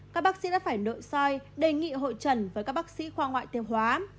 các bác sĩ đã phải nội soi đề nghị hội trần với các bác sĩ khoa ngoại tiêu hóa